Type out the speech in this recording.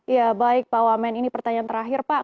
ya baik pak wamen ini pertanyaan terakhir pak